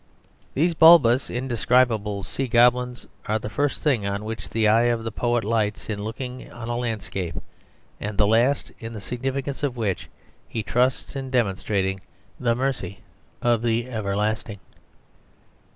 These bulbous, indescribable sea goblins are the first thing on which the eye of the poet lights in looking on a landscape, and the last in the significance of which he trusts in demonstrating the mercy of the Everlasting.